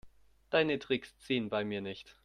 Deine Tricks ziehen bei mir nicht.